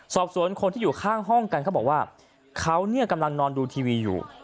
สอบสวนคนที่อยู่ข้างห้องกันเขาบอกว่าเขาเนี่ยกำลังนอนดูทีวีอยู่